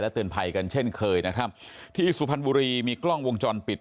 เตือนภัยกันเช่นเคยนะครับที่สุพรรณบุรีมีกล้องวงจรปิด